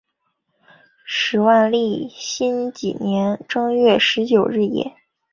时万历辛己岁正月十九日也。